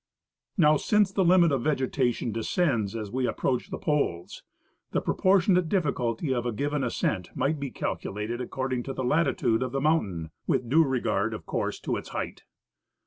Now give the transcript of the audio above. Now, since the limit of vegetation descends as we approach the poles, the proportionate difficulty of a given ascent might be calcu lated according to the latitude of the mountain, with due regard, of course, to its height.